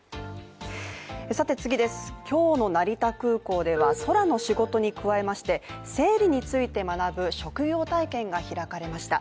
今日の成田空港では空の仕事に加えて生理について学ぶ職業体験が開かれました。